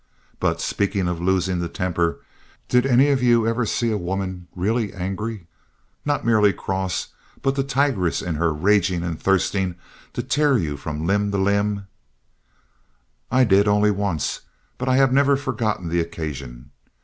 But speaking of losing the temper, did any of you ever see a woman real angry, not merely cross, but the tigress in her raging and thirsting to tear you limb from limb? I did only once, but I have never forgotten the occasion.